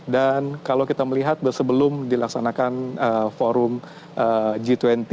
dan kalau kita melihat sebelum dilaksanakan forum g dua puluh